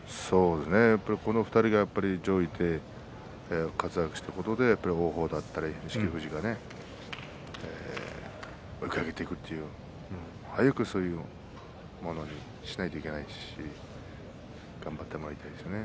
この２人が上位にいて早く活躍することで王鵬だったり、錦富士が追いかけていくという早くそういうものにしないといけないし頑張ってもらいたいですね。